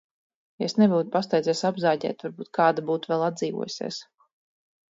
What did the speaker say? Ja es nebūtu pasteidzies apzāģēt, varbūt kāda būtu vēl atdzīvojusēs.